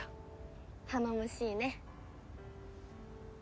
頼もしいね。